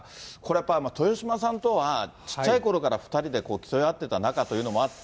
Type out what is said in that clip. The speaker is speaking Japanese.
やっぱり豊島さんとは、ちっちゃいころから２人で競い合ってた仲というのもあって。